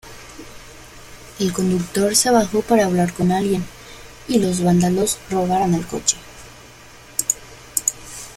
El conductor se bajó para hablar con alguien, y los vándalos robaron el coche.